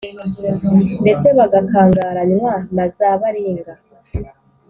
ndetse bagakangaranywa na za baringa.